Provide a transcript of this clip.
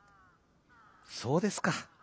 「そうですか。